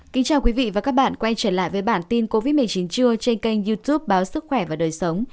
kính chào quý vị và các bạn quay trở lại với bản tin covid một mươi chín trưa trên kênh youtube báo sức khỏe và đời sống